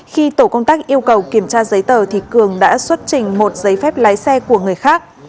khi tổ công tác yêu cầu kiểm tra giấy tờ cường đã xuất trình một giấy phép lái xe của người khác